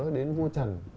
đến vua trần